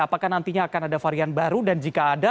apakah nantinya akan ada varian baru dan jika ada